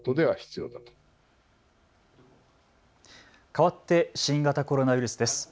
かわって新型コロナウイルスです。